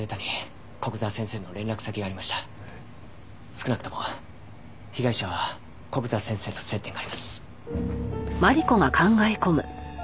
少なくとも被害者は古久沢先生と接点があります。